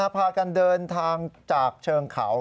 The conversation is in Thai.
พากันเดินทางจากเชิงเขา